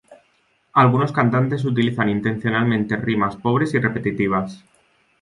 Algunos cantantes utilizan intencionalmente rimas pobres y repetitivas.